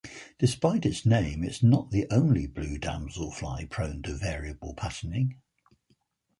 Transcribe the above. Despite its name, it is not the only blue damselfly prone to variable patterning.